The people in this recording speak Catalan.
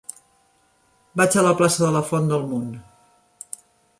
Vaig a la plaça de la Font del Mont.